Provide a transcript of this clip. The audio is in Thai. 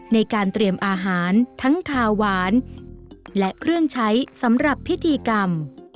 ในการเตรียมอาหารทั้งคาหวานและเครื่องใช้สำหรับพิธีกรรม